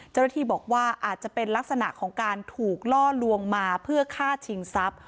เจ้าหน้าที่บอกว่าอาจจะเป็นลักษณะของการถูกล่อลวงมาเพื่อฆ่าชิงทรัพย์